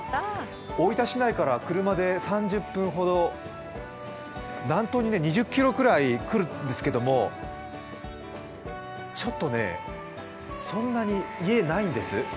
大分市内から車で３０分ほど、南東に２０ｋｍぐらいくるんですけれども、ちょっとね、そんなに家、ないんです。